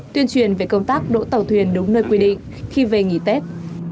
tuyên truyền về công tác đỗ tàu thuyền đúng nơi quy định khi về nghỉ tết